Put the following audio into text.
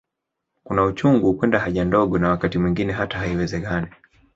Kuna uchungu kwenda haja ndogo na wakati mwingine hata haiwezekani